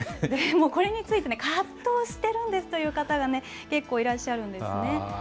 でもこれについて、葛藤してるんですという方が結構いらっしゃるんですね。